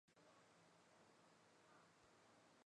本列表所列为中国共产党中央机构的各类重要会议。